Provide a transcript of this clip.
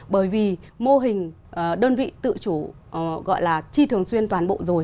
bởi vì mô hình đơn vị tự chủ gọi là chi thường xuyên toàn bộ rồi